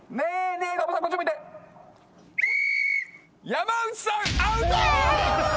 山内さんアウト！